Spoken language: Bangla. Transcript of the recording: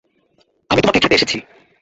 আমি তোমাকে খেতে এসেছি।